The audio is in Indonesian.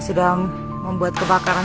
sudah membuat kebakaran